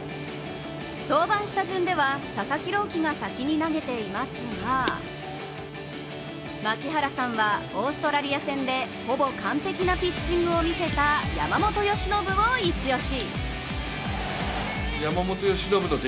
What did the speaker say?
登板した順では佐々木朗希が先に投げていますが槙原さんはオーストラリア戦でほぼ完璧なピッチングを見せた山本由伸をイチオシ。